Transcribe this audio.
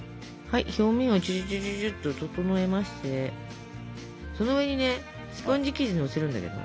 表面をチュチュチュチュチュっと整えましてその上にねスポンジ生地のせるんだけど。